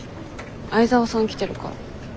相澤さん来てるから。